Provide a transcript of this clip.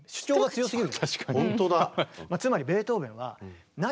本当だ。